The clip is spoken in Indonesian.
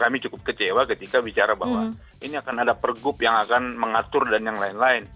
kami cukup kecewa ketika bicara bahwa ini akan ada pergub yang akan mengatur dan yang lain lain